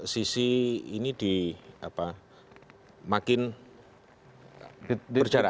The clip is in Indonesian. sisi ini di apa makin berjarak